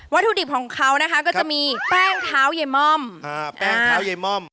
วัตถุดิบของเขานะครับก็จะมีแป้งเท้าเยมม่อมแป้งเท้าเยมม่อม